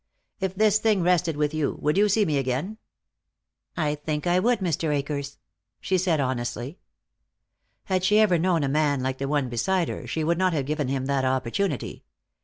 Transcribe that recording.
If this thing rested with you, would you see me again?" "I think I would, Mr. Akers," she said honestly. Had she ever known a man like the one beside her, she would not have given him that opportunity.